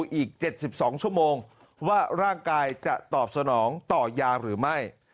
อีก๗๒ชั่วโมงว่าร่างกายจะตอบสนองต่อยาหรือไม่